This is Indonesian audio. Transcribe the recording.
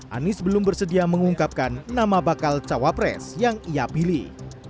anies belum bersedia mengungkapkan nama bakal cawapres yang ia pilih